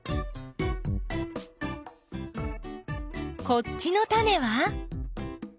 こっちのタネは？